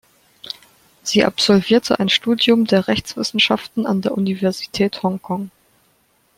Sie absolvierte ein Studium der Rechtswissenschaften an der Universität Hongkong.